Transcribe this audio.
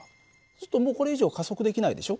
するともうこれ以上加速できないでしょ。